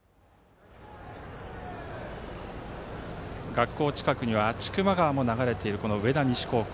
学校近くには千曲川も流れているこの上田西高校。